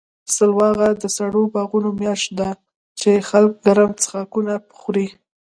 سلواغه د سړو بادونو میاشت ده، چې خلک ګرم څښاکونه خوري.